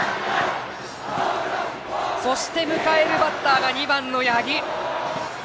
そして、迎えるバッターが２番の八木。